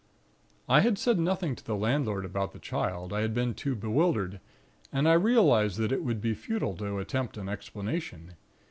"I had said nothing to the landlord about the Child. I had been too bewildered, and I realized that it would be futile to attempt an explanation.